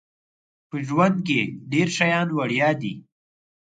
په ژوند کې ډیر شیان وړيا دي